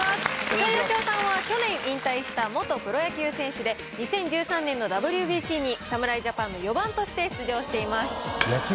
糸井嘉男さんは去年引退した元プロ野球選手で２０１３年のＷＢＣに侍ジャパンの４番として出場しています。